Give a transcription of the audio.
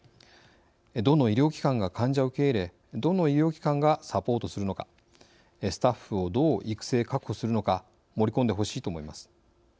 どの医療機関が患者を受け入れどの医療機関がサポートするのかスタッフをどう育成、確保するのか盛り込んでほしいと思います。